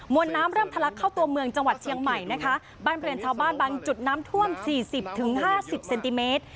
มณ้ามเริ่มทะลักเข้าตัวเมืองจังหวัดเชียงใหม่นะคะบ้านเปลี่ยนชาวบ้านบันจุดน้ำท่วม๔๐๕๐เซนติเมตร